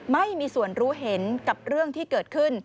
ไม่มีส่วนรู้เห็นกับเรื่องที่เกิดขึ้น